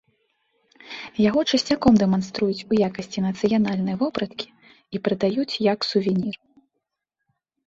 Яго часцяком дэманструюць у якасці нацыянальнай вопраткі і прадаюць як сувенір.